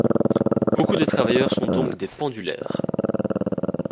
Beaucoup de travailleurs sont donc des pendulaires.